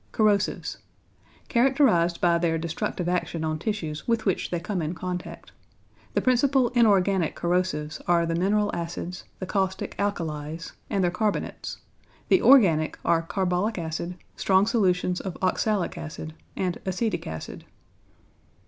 =Corrosives.= Characterized by their destructive action on tissues with which they come in contact. The principal inorganic corrosives are the mineral acids, the caustic alkalies, and their carbonates; the organic are carbolic acid, strong solutions of oxalic acid, and acetic acid.